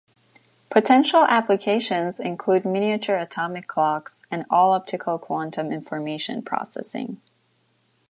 Potential applications include miniature atomic clocks, and all-optical quantum information processing.